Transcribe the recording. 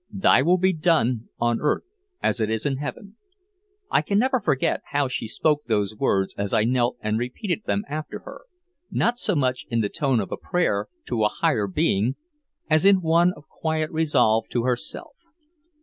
"Thy will be done on earth as it is in heaven." I can never forget how she spoke those words as I knelt and repeated them after her not so much in the tone of a prayer to a higher being as in one of quiet resolve to herself.